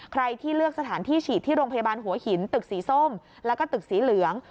ใครที่เลือกสถานที่ฉีดที่โรงพยาบาลหัวหินตึกสีส้มแล้วก็ตึกสีเหลือง